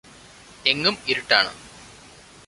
എങ്ങും ഇരുട്ടാണ്